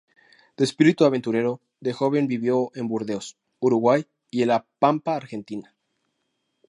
De espíritu aventurero, de joven vivió en Burdeos, Uruguay y en la Pampa argentina.